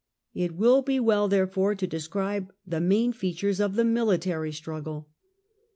It will be well, therefore, to describe the main features of the military struggle.